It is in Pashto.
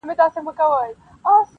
پېړۍ قرنونه کیږي-